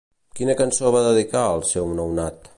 Quina cançó va dedicar al seu nounat?